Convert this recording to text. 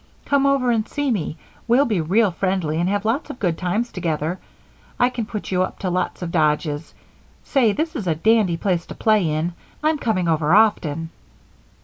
Come over and see me we'll be real friendly and have lots of good times together I can put you up to lots of dodges. Say, this is a dandy place to play in I'm coming over often."